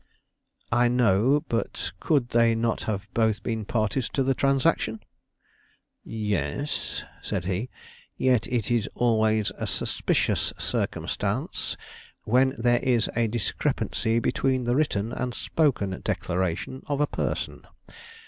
"I know; but could they not have both been parties to the transaction?" "Yes," said he; "yet it is always a suspicious circumstance, when there is a discrepancy between the written and spoken declaration of a person.